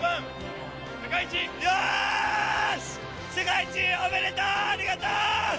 世界一おめでとう、ありがとう！